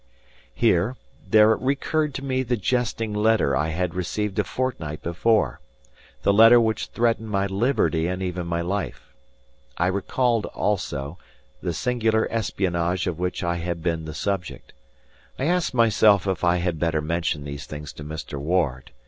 Here, there recurred to me the jesting letter I had received a fortnight before, the letter which threatened my liberty and even my life. I recalled, also, the singular espionage of which I had been the subject. I asked myself if I had better mention these things to Mr. Ward.